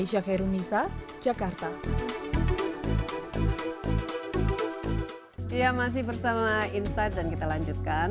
ya masih bersama insight dan kita lanjutkan